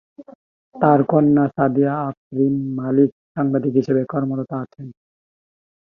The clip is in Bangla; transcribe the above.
তার কন্যা সাদিয়া আফরিন মল্লিক সাংবাদিক হিসেবে কর্মরত আছেন।